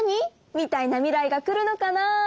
みたいな未来が来るのかな。